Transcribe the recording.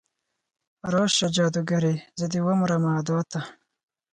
راشه جادوګرې، زه دې ومرمه ادا ته